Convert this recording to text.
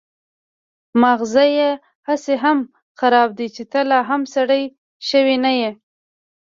ماغزه مې هسې هم خراب دي چې ته لا هم سړی شوی نه يې.